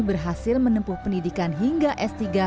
berhasil menempuh pendidikan hingga s tiga